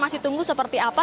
kita masih menunggu seperti apa